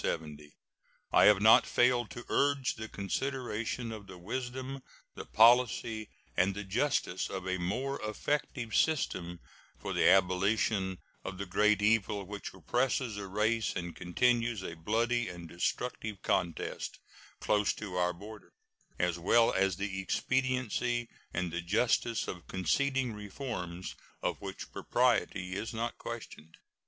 I have not failed to urge the consideration of the wisdom, the policy, and the justice of a more effective system for the abolition of the great evil which oppresses a race and continues a bloody and destructive contest close to our border, as well as the expediency and the justice of conceding reforms of which the propriety is not questioned.